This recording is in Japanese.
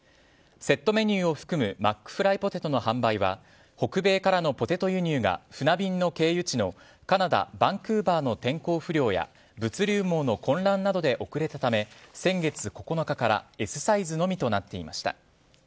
セットメニューを含むマックフライポテトの販売は北米からのポテト輸入が船便の経由地のカナダ・バンクーバーの天候不良や物流網の混乱などで遅れたため先月９日からＳサイズのみとなっていました。